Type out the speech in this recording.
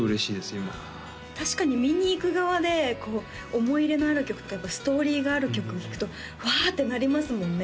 今確かに見に行く側で思い入れのある曲とかストーリーがある曲を聴くとうわってなりますもんね